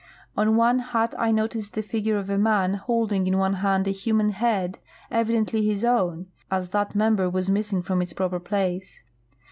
On one hut I noticed the figure of a man holding in one hand a human head, evidently his own, as that member was missing from its proper place.